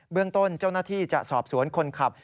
เรื่องต้นเจ้าหน้าที่จะสอบสวนคนขับ